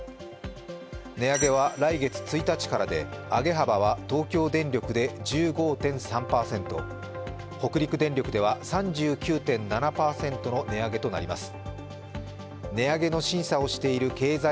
値上げは来月１日からで上げ幅は東京電力で１５．３％、北陸電力では３９．７％の値上げとなります。